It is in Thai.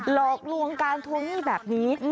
หลอกลวงการทวงหนี้แบบนี้